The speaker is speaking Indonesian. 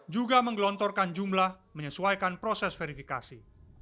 juga menggelontorkan jumlah menyesuaikan proses verifikasi